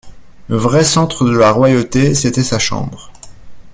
Le vrai centre de la royauté, c'était sa chambre.